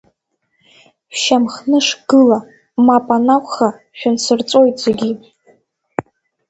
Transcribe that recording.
Шәшьамхнышгыла, мап анакәха шәынсырҵәоит, зегьы!